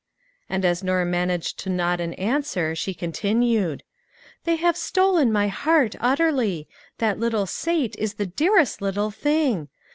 And as Norm managed to nod an answer, she continued :" They have stolen my heart utterly ; that little Sate is the dearest little thing.